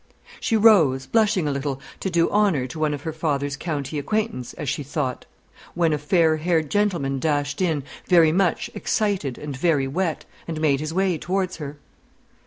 She rose, blushing a little, to do honour to one of her father's county acquaintance, as she thought; when a fair haired gentleman dashed in, very much excited and very wet, and made his way towards her.